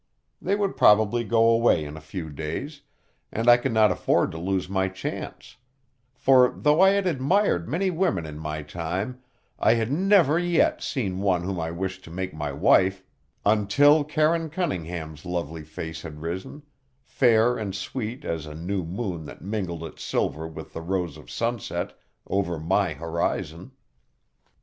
They would probably go away in a few days, and I could not afford to lose my chance; for, though I had admired many women in my time, I had never yet seen one whom I wished to make my wife, until Karine Cunningham's lovely face had risen fair and sweet as a new moon that mingled its silver with the rose of sunset over my horizon.